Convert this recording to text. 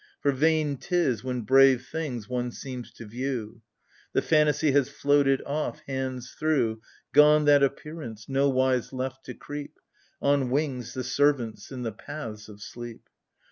For vain 'tis, when brave things one seems to view ; The fantasy has floated off, hands through ; Gone, that appearance, —nowise left to creep, — On wings, the servants in the paths of sleep